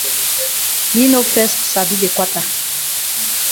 Yi no fes sabi de kwata.